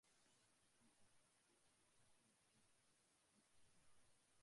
mtangazaji anatakiwa kuwaheshimu sana wasikilizaji wake